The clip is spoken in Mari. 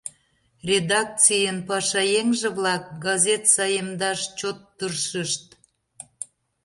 Редакцийын пашаеҥже-влак газет саемдаш чот тыршышт.